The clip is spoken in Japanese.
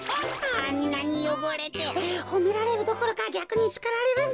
あんなによごれてほめられるどころかぎゃくにしかられるんじゃないか？